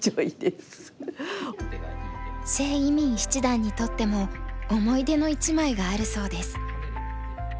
謝依旻七段にとっても思い出の一枚があるそうです。